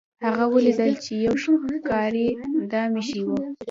هغه ولیدل چې یو ښکاري دام ایښی دی.